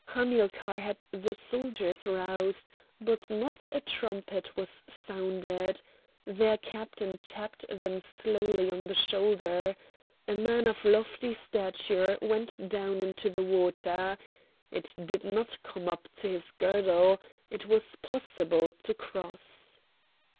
Hamilcar had the soldiers roused, but not a trumpet was sounded: their captain tapped them softly on the shoulder. A man of lofty stature went down into the water. It did not come up to his girdle; it was possible to cross.